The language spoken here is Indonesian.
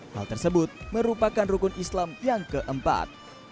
hal tersebut merupakan rukun islam yang keempat